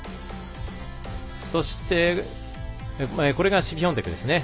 そして、これがシフィオンテクですね。